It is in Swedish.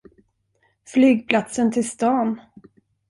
Flygplatsen till stan.